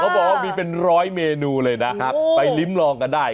บอกว่ามีเป็นร้อยเมนูเลยนะไปลิ้มลองกันได้